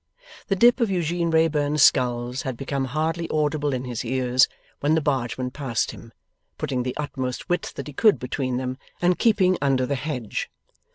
The dip of Eugene Wrayburn's sculls had become hardly audible in his ears when the bargeman passed him, putting the utmost width that he could between them, and keeping under the hedge.